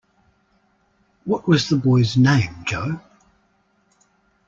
What was the boy's name, Jo?